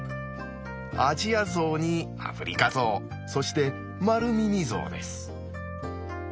アジアゾウにアフリカゾウそしてマルミミゾウです。